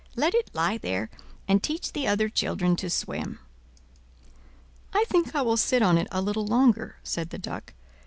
Let it lie there, and teach the other children to swim." "I think I will sit on it a little longer," said the Duck.